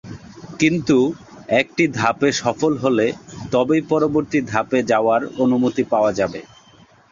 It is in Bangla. কিন্তু একটি ধাপে সফল হলে তবেই পরবর্তী ধাপে যাওয়ার অনুমতি পাওয়া যাবে।